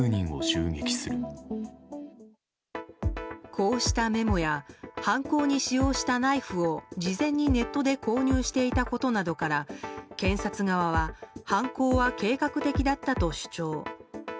こうしたメモや犯行に使用したナイフを事前にネットで購入していたことなどから検察側は犯行は計画的だったと主張。